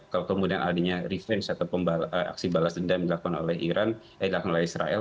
kalau kemudian adanya revenge atau aksi balas dendam dilakukan oleh israel